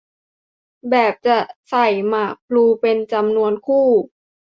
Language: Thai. แบบจะใส่หมากพลูเป็นจำนวนคู่